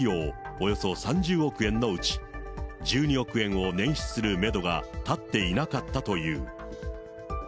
およそ３０億円のうち、１２億円をねん出するメドが立っていなかったという。